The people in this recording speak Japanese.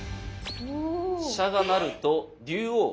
飛車が成ると龍王。